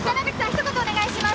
一言お願いします！